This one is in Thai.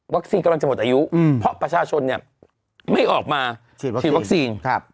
กำลังจะหมดอายุเพราะประชาชนเนี่ยไม่ออกมาฉีดวัคซีน